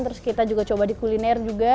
terus kita juga coba di kuliner juga